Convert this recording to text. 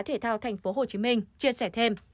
thể thao tp hcm chia sẻ thêm